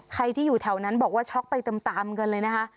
ใครที่อยู่แถวนั้นบอกว่าช็อกไปตามกันเลยนะคะ